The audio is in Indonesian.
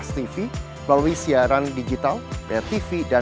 tetapi pada pelaksananya tetap tidak ada